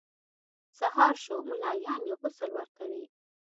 سهار شو ملایان یې غسل ورکوي.